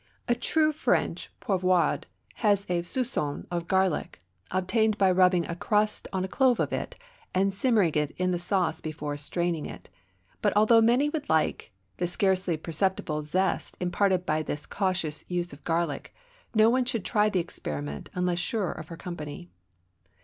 A true French poivrade has a soupçon of garlic, obtained by rubbing a crust on a clove of it, and simmering it in the sauce before straining it; but although many would like the scarcely perceptible zest imparted by this cautious use of garlic, no one should try the experiment unless sure of her company.